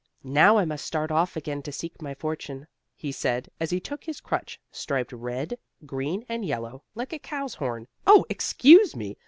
"Now I must start off again to seek my fortune," he said, as he took his crutch, striped red, green and yellow, like a cow's horn. Oh, excuse me!